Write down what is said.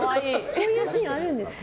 こういうシーンあるんですか？